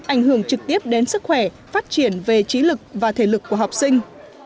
ảnh hưởng trực tiếp đến sức khỏe phát triển về trí lực và thể lực của học sinh